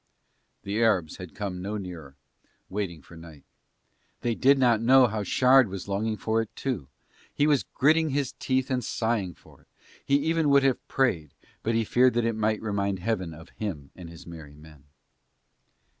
The Arabs had come no nearer, waiting for night. They did not know how Shard was longing for it too, he was gritting his teeth and sighing for it, he even would have prayed, but that he feared that it might remind Heaven of him and his merry men.